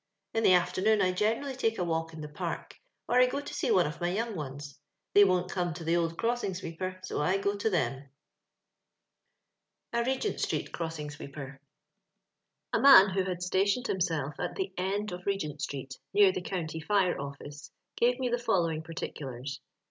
In the afternoon, I generally take a walk in the Park. or I go to see one of my young ones ; tliey won't come to the old crossing sweeper, so I go to them." A Regent street Crossing Sweepeb. A MAN who had stationed himself at the end of Regent street, near the County Fire Office, gave me the following particulars.